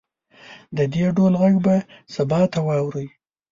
د دې ډول غږ به سبا ته واورئ